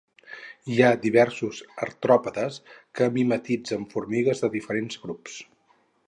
Hi ha diversos artròpodes que mimetitzen formigues de diferents grups.